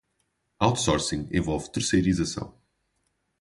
Outsourcing envolve terceirização.